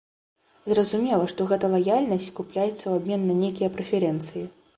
Зразумела, што гэта лаяльнасць купляецца ў абмен на нейкія прэферэнцыі.